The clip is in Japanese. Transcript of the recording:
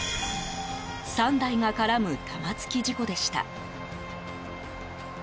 ３台が絡む玉突き事故でした。